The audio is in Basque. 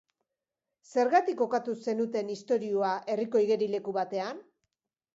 Zergatik kokatu zenuten istorioa herriko igerileku batean?